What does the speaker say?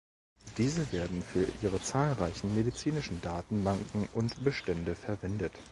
Diese werden für ihre zahlreichen medizinischen Datenbanken und Bestände verwendet.